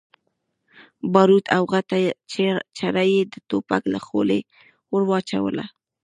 باروت او غټه چره يې د ټوپک له خولې ور واچوله.